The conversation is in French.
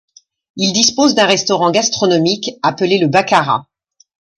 Il dispose d'un restaurant gastronomique appelé Le Baccara.